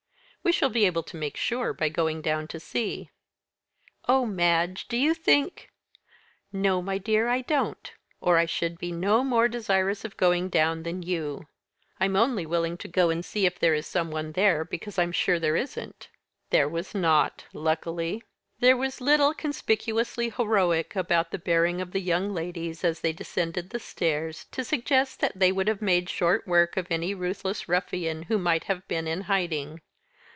"We shall be able to make sure by going down to see." "Oh, Madge, do you think " "No, my dear, I don't, or I should be no more desirous of going down than you. I'm only willing to go and see if there is some one there because I'm sure there isn't." There was not luckily. There was little conspicuously heroic about the bearing of the young ladies as they descended the stairs to suggest that they would have made short work of any ruthless ruffian who might have been in hiding.